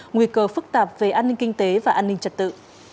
nguy cơ phức tạp về an ninh kinh tế và an ninh trật tự